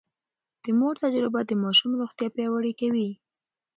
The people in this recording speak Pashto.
د مور تجربه د ماشوم روغتيا پياوړې کوي.